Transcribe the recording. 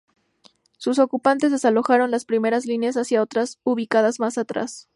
Sus ocupantes desalojaron las primeras líneas hacia otras ubicadas más atrás.